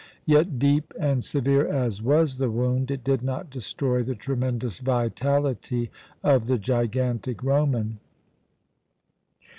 Yet deep and severe as was the wound, it did not destroy the tremendous vitality of the gigantic Roman.